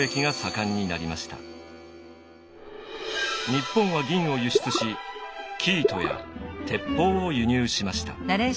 日本は銀を輸出し生糸や鉄砲を輸入しました。